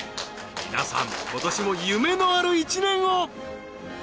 皆さん今年も夢のある一年を！